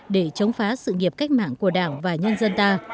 để chống phá sự nghiệp cách mạng của đảng và nhân dân ta